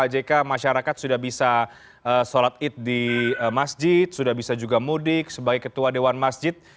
pak jk masyarakat sudah bisa sholat id di masjid sudah bisa juga mudik sebagai ketua dewan masjid